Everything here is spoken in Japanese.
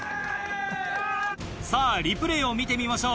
さぁリプレーを見てみましょう。